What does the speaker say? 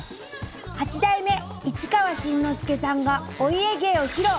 八代目・市川新之助さんがお家芸を披露。